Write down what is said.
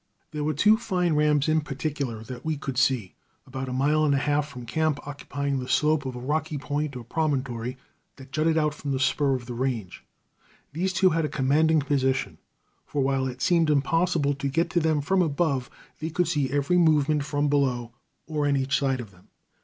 There were two fine rams in particular that we could see about a mile and a half from camp occupying the slope of a rocky point or promontory that jutted out from a spur of the range. These two had a commanding position, for, while it seemed impossible to get to them from above, they could see every movement from below or on each side of them.